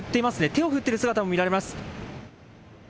手を振っている姿も見られます。